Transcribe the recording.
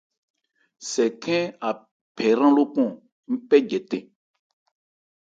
Sɛ khɛ́n a phɛ ahrân lókɔn ń pɛ jɛtɛ̂n.